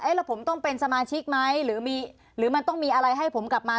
แล้วผมต้องเป็นสมาชิกไหมหรือมันต้องมีอะไรให้ผมกลับมา